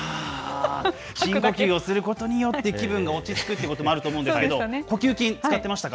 深呼吸をすることによって、気分が落ち着くということもあると思うんですけど、呼吸筋、使ってましたか？